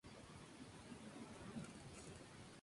nuestros caballos, extenuados por jornada tan penosa